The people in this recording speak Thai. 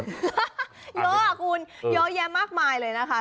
เยอะคุณเยอะแยะมากมายเลยนะคะ